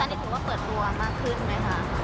นี่ถือว่าเปิดตัวมากขึ้นไหมคะ